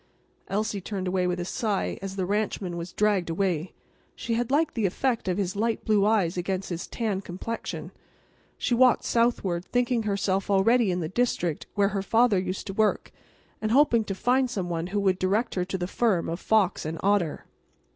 Elsie turned away with a sigh as the ranchman was dragged away. She had liked the effect of his light blue eyes against his tanned complexion. She walked southward, thinking herself already in the district where her father used to work, and hoping to find some one who could direct her to the firm of Fox & Otter.